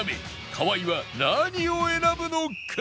河合は何を選ぶのか？